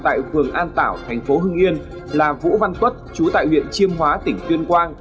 tại phường an tảo thành phố hưng yên là vũ văn tuất chú tại huyện chiêm hóa tỉnh tuyên quang